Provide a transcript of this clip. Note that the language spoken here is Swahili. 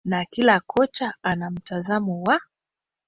na kila kocha ana mtazamo wa